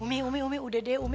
umi umi umi udah deh umi